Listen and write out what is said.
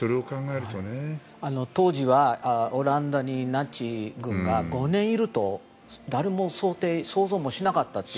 当時はオランダにナチ軍が５年以上いると誰も想定しなかったと。